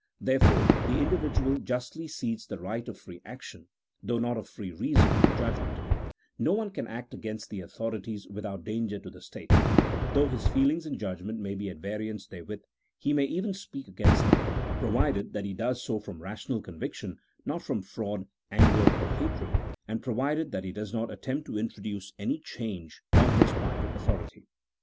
Therefore, the individual justly cedes the right of free action, though not of free reason and judg ment ; no one can act against the authorities without dan ger to the state, though his feelings and judgment may be at variance therewith ; he may even speak against them, pro vided that he does so from rational conviction, not from fraud, anger, or hatred, and provided that he does not attempt to introduce any change on his private authority.